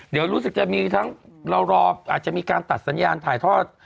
เดี๋ยวรู้สึกจะมีทั้งเรารออาจจะมีการตัดสัญญาณถ่ายทอด